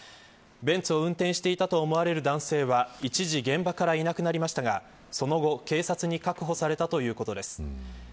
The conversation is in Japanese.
ベンツを運転していたと思われる男性は一時現場からいなくなりましたがその後、警察に確保されたということです。